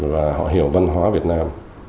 và họ hiểu văn hóa việt nam